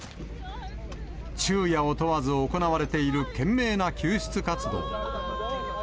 昼夜を問わず行われている懸命な救出活動。